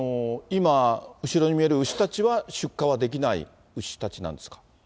今、後ろに見える牛たちは、出荷はできない牛たちなんですか？